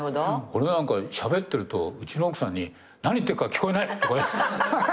俺なんかしゃべってるとうちの奥さんに「何言ってるか聞こえない！」とか。